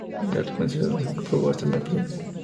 La responsabilidad no se probó hasta el presente.